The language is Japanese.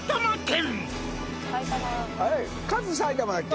あれカズ埼玉だっけ？